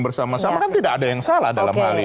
bersama sama kan tidak ada yang salah dalam hal ini